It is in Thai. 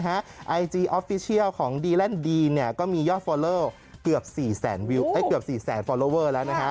ไอจีออฟฟิเชียลของดีแลนด์ดีนก็มียอดฟอลเลอร์เกือบ๔แสนฟอลลอเวอร์แล้ว